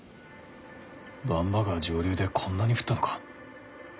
番場川上流でこんなに降ったのか？